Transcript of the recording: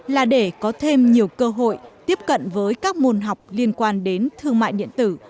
là để có thêm nhiều cơ hội tiếp cận với các môn học liên quan đến thương mại điện tử